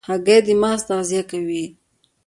هګۍ د مغز تغذیه کوي.